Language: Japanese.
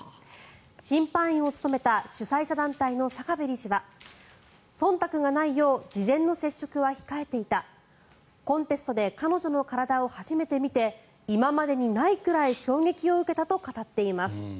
審判員を務めた審査員の堺部理事はそんたくがないよう事前の接触は控えていたコンテストで彼女の体を初めて見て今までにないくらい衝撃を受けたと語っています。